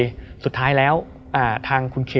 เพื่อที่จะให้แก้วเนี่ยหลอกลวงเค